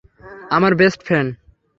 আমার best friend?